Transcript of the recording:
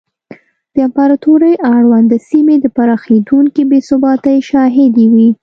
د امپراتورۍ اړونده سیمې د پراخېدونکې بې ثباتۍ شاهدې وې.